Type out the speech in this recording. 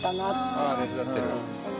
ああ手伝ってる。